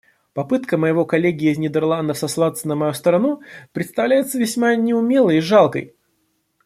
Попытка моего коллеги из Нидерландов сослаться на мою страну представляется весьма неумелой и жалкой.